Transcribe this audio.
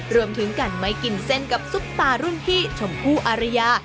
รวมถึงกันไม่กินเส้นกับซุปตารุ่นพี่ชมพู่อารยา